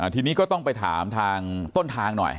ทีนี้ก็ต้องไปถามทางต้นทางหน่อย